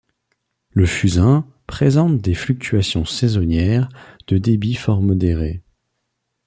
Le Fusain présente des fluctuations saisonnières de débit fort modérées.